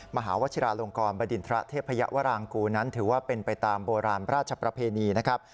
มหาวชิราลงกรบดินทระเทพยวรางกูนั้นถือว่าเป็นไปตามโบราณราชประเพณีนะครับ